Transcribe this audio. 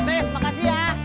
tes makasih ya